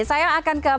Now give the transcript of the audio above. saya akan ke mas bayu